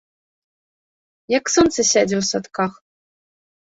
Як сонца сядзе ў садках.